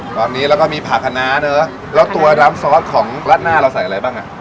ตอนนี้แล้วก็มีผักคณะเนอะแล้วตัวน้ำซอสของราดหน้าเราใส่อะไรบ้างอ่ะ